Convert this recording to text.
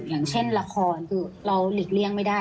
อย่างเช่นละครคือเราหลีกเลี่ยงไม่ได้